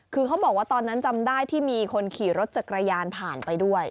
คือเขาบอกว่าตอนนั้นจำได้ที่มีคนขี่รถจักรยานผ่านไปด้วย